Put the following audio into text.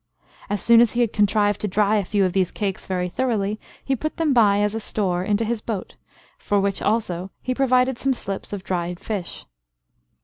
As soon as he had contrived to dry a few of these cakes very thoroughly, he put them by as a store into his boat, for which also he provided some slips of dried fish.